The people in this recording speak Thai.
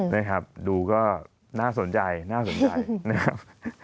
นี่ครับดูก็น่าสนใจน่าสนใจนะครับ